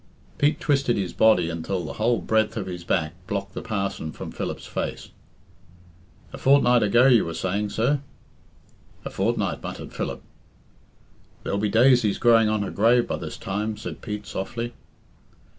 Pete twisted his body until the whole breadth of his back blocked the parson from Philip's face. "A fortnight ago, you were saying, sir?" "A fortnight," muttered Philip. "There'll be daisies growing on her grave by this time," said Pete softly.